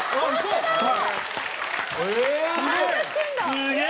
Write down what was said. すげえ！